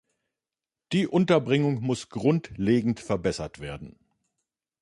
Die Unterbringung muss grundlegend verbessert werden.